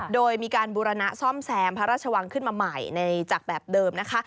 โดยมีการบูรณะซ่อมแซมพระราชวังขึ้นมาใหม่ในจากแบบเดิมนะคะ